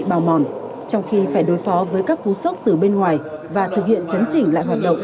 bào mòn trong khi phải đối phó với các cú sốc từ bên ngoài và thực hiện chấn chỉnh lại hoạt động